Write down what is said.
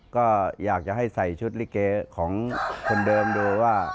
ก็อยากจะให้ใส่ชุดลิเกของคนเดิมดูว่า